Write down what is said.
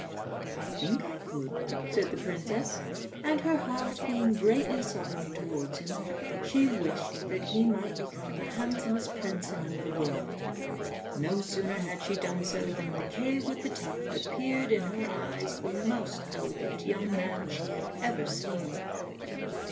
"I think I could," said the princess, and her heart being greatly softened towards him, she wished that he might become the handsomest prince in all the world. No sooner had she done so than Riquet with the Tuft appeared in her eyes the most elegant young man she had ever seen.